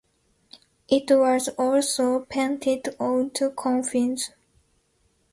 It was also painted onto coffins.